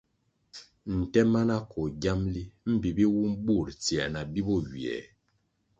Nte mana koh giamli mbpi bi wum bur tsier na bi bo ywiè.